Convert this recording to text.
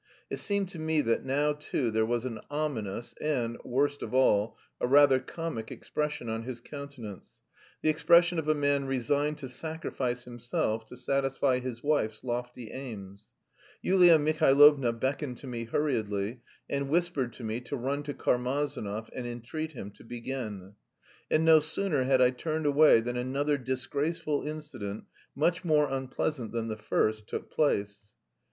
It seemed to me that now, too, there was an ominous, and, worst of all, a rather comic expression on his countenance, the expression of a man resigned to sacrifice himself to satisfy his wife's lofty aims.... Yulia Mihailovna beckoned to me hurriedly, and whispered to me to run to Karmazinov and entreat him to begin. And no sooner had I turned away than another disgraceful incident, much more unpleasant than the first, took place.